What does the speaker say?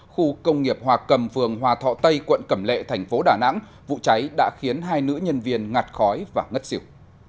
khu công nghiệp hòa cầm phường hòa thọ tây quận cẩm lệ thành phố đà nẵng vụ cháy đã khiến hai nữ nhân viên ngạt khói và ngất xỉu